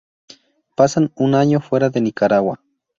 Pasan un año fuera de Nicaragua.